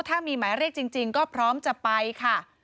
ถ้ามีหมายเรียกจริงก็พร้อมจะไปค่ะ